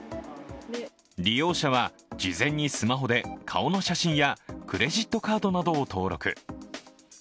利用者は事前にスマホで顔の写真やクレジットカードなどを登録。